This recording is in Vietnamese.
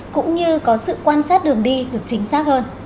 cũng như có sự quan sát đường đi được chính xác hơn